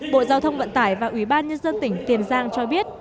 bộ giao thông vận tải và ủy ban nhân dân tỉnh tiền giang cho biết